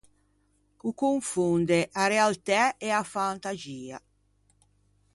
O confonde a realtæ e a fantaxia.